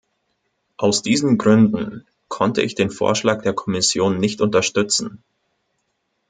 Aus diesen Gründen konnte ich den Vorschlag der Kommission nicht unterstützen.